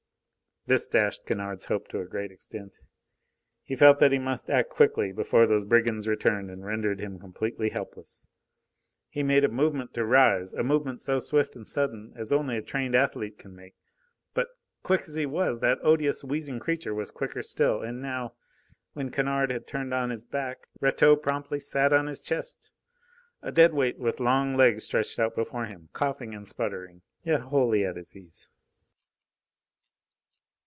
This dashed Kennard's hopes to a great extent. He felt that he must act quickly, before those brigands returned and rendered him completely helpless. He made a movement to rise a movement so swift and sudden as only a trained athlete can make. But, quick as he was, that odious, wheezing creature was quicker still, and now, when Kennard had turned on his back, Rateau promptly sat on his chest, a dead weight, with long legs stretched out before him, coughing and spluttering, yet wholly at his ease.